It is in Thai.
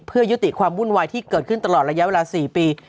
เพื่อยุติความวุ่นวายที่เกิดขึ้นตลอดระยะเวลา๔ปี